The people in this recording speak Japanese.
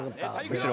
後ろ！